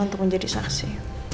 untuk menjadi saksi